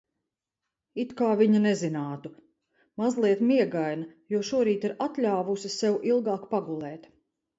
It kā viņa nezinātu. Mazliet miegaina, jo šorīt ir atļāvusi sev ilgāk pagulēt.